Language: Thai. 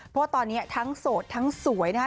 เพราะว่าตอนนี้ทั้งโสดทั้งสวยนะคะ